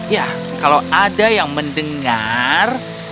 ya kalau ada yang mendengar